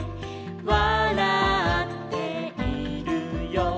「わらっているよ」